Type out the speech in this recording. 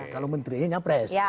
kalau menterinya nyapres